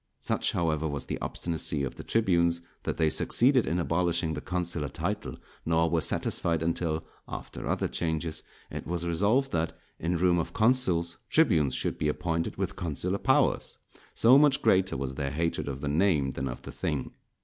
Such, however, was the obstinacy of the tribunes, that they succeeded in abolishing the consular title, nor were satisfied until, after other changes, it was resolved that, in room of consuls, tribunes should be appointed with consular powers; so much greater was their hatred of the name than of the thing.